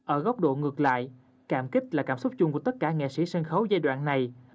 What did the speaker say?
ở góc độ ngược lại cảm kích là cảm xúc chung của tất cả nghệ sĩ sân khấu giai đoạn này